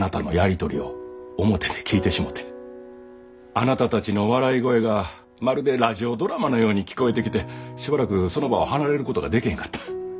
あなたたちの笑い声がまるでラジオドラマのように聞こえてきてしばらくその場を離れることがでけへんかった。